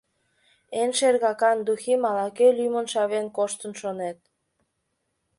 Эн шергакан духим ала-кӧ лӱмын шавен коштын, шонет!